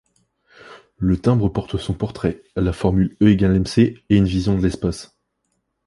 Le timbre porte son portrait, la formule E=mc et une vision de l'espace.